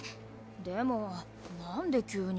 でもなんで急に？